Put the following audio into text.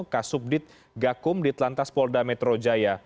kasubdit gakum ditlantas polda metro jaya